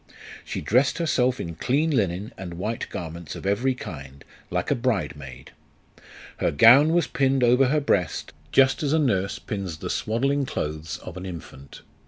She dressed herself in clean linen and white garments of every kind, like a bride maid. Her gown was pinned over her breast, just as a nurse pins the swaddling clothes of an infant.